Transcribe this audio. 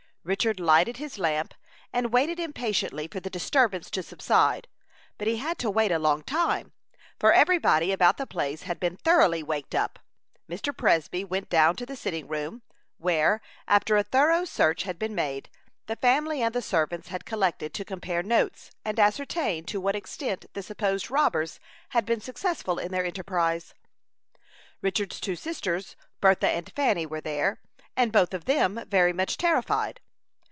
Richard lighted his lamp, and waited impatiently for the disturbance to subside; but he had to wait a long time, for every body about the place had been thoroughly waked up. Mr. Presby went down to the sitting room, where, after a thorough search had been made, the family and the servants had collected to compare notes, and ascertain to what extent the supposed robbers had been successful in their enterprise. Richard's two sisters, Bertha and Fanny, were there, and both of them very much terrified.